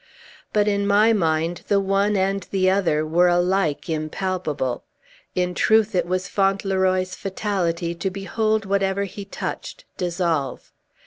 But, in my mind, the one and the other were alike impalpable. In truth, it was Fauntleroy's fatality to behold whatever he touched dissolve.